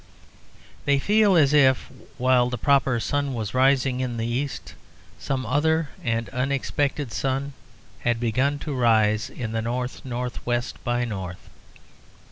They feel as if, while the proper sun was rising in the east, some other and unexpected sun had begun to rise in the north north west by north.